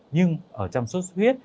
nhưng ở trong số suất huyết